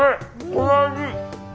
この味！